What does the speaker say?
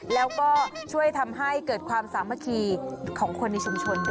แล้วก็ช่วยทำให้เกิดความสามัคคีของคนในชุมชนด้วย